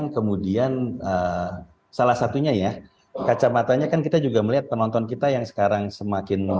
kemudian salah satunya ya kacamatanya kan kita juga melihat penonton kita yang sekarang semakin